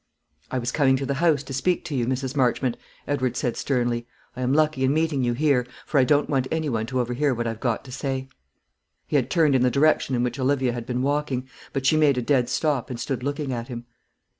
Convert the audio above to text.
"I was coming to the house to speak to you, Mrs. Marchmont," Edward said sternly. "I am lucky in meeting you here, for I don't want any one to overhear what I've got to say." He had turned in the direction in which Olivia had been walking; but she made a dead stop, and stood looking at him.